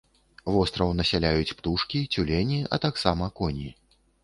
Востраў насяляюць птушкі, цюлені, а таксама коні.